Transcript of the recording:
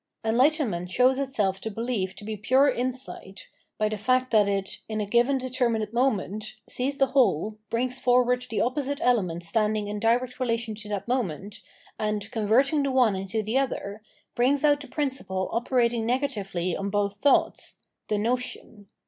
Enhghtenment shows itself ifo behef to be pure insight, by the fact that it, in a given determinate moment, sees the whole, brings forwaijd the opposite element standing in direct rela tion t^ that moment and, converting the one into the other,' brings out the principle operating negatively on both thoughts— the notion.